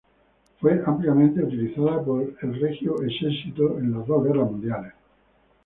Fue ampliamente utilizada por el Regio Esercito en las dos guerras mundiales.